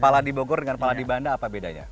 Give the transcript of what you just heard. kepala di bogor dengan pala di banda apa bedanya